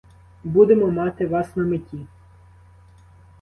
Будемо мати вас на меті.